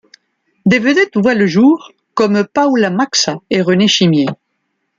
Des vedettes voient le jour comme Paula Maxa et René Chimier.